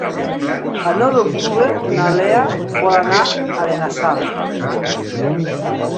El nou d'octubre na Lea vol anar a Benassal.